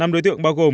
năm đối tượng bao gồm